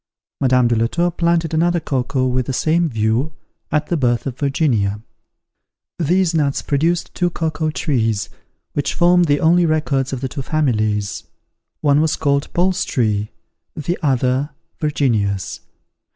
Madame de la Tour planted another cocoa with the same view, at the birth of Virginia. These nuts produced two cocoa trees, which formed the only records of the two families; one was called Paul's tree, the other, Virginia's.